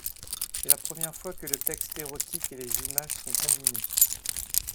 C'est la première fois que le texte érotique et les images sont combinées.